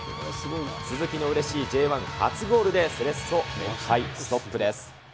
鈴木のうれしいＪ１初ゴールで、セレッソ、連敗ストップです。